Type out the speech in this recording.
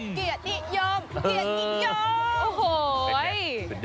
เกียรติยมเกียรติยม